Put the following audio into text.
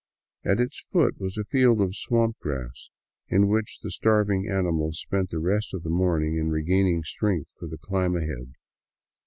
At its foot was a field of swamp grass, in which the starving animal spent the rest of the morning in regaining strength for the climb ahead.